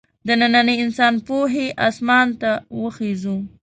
د ننني انسان پوهې اسمان ته وخېژو.